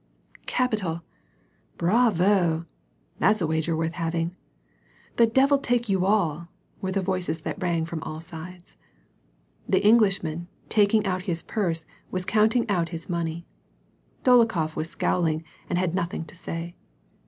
" Capital !" "Bravo !"" That's a wager worth having !"" The devil take you all," were the voices that rang from all sides. The Englishman, taking out his purse, was counting out his money. Dolokhof was scowling, and had nothing to say.